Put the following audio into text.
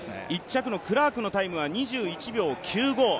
１着のクラークのタイムは２１秒９５。